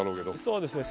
そうですね。